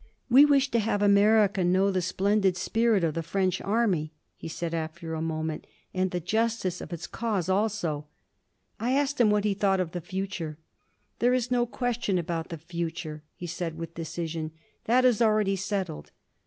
"We wish to have America know the splendid spirit of the French Army," he said after a moment. "And the justice of its cause also." I asked him what he thought of the future. "There is no question about the future," he said with decision. "That is already settled.